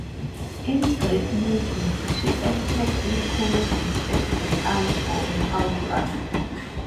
In Greek movies, she acted in comedies as an aunt or a housewife.